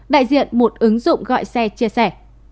đại diện một ứng dụng gọi xe chia sẻ